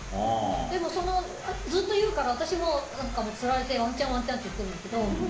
でも、ずっと言うから私もつられてワンチャンって言っているんですけど。